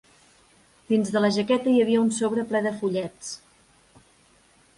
Dins de la jaqueta hi havia un sobre ple de fullets.